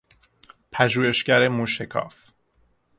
پژوهشگر موشکاف